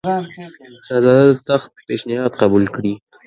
شهزاده د تخت پېشنهاد قبول کړي.